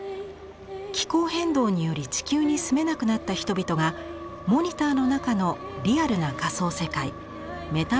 気候変動により地球に住めなくなった人々がモニターの中のリアルな仮想世界メタバースに住んでいます。